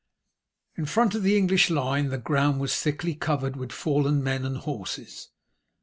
In front of the English line the ground was thickly covered with fallen men and horses.